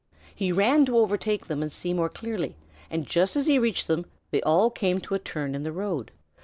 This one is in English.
He ran to overtake them and see more clearly, and just as he reached them they all came to a turn in the road.